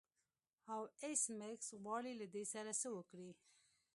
او ایس میکس غواړي له دې سره څه وکړي